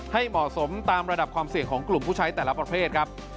ให้เหมาะสมตามระดับความเสี่ยงของกลุ่มผู้ใช้แต่ละประเภทครับ